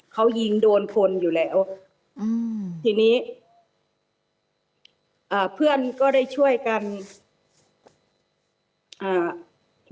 เขายิงโดนคนอยู่แล้วอืมทีนี้อ่าเพื่อนก็ได้ช่วยกันอ่า